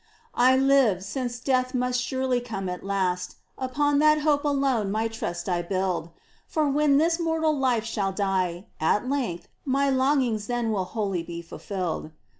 I live, since death must surely come at last ;— Upon that hope alone my trust I build. For when this mortal life shall die, at length My longings then will wholly be fulfilled.